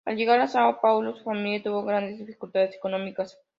Al llegar a São Paulo, su familia tuvo grandes dificultades económicas.